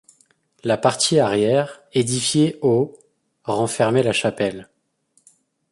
La partie arrière, édifiée au renfermait la chapelle.